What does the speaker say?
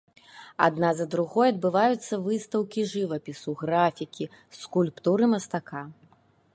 Адна за другой адбываюцца выстаўкі жывапісу, графікі, скульптуры мастака.